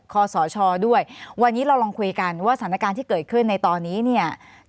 ขอสชด้วยวันนี้เราลองคุยกันว่าสถานการณ์ที่เกิดขึ้นในตอนนี้เนี่ย